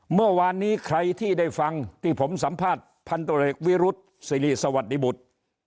เมื่อวานนี้ใครที่ได้ฟังที่ผมสัมภาษณ์พันตรวจเอกวิรุษศิริสวัสดิบุตร